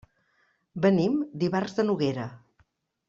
Venim d'Ivars de Noguera.